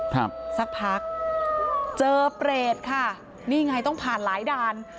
ครับสักพักเจอเปรตค่ะนี่ไงต้องผ่านหลายด่าน